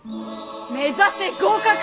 目指せ合格！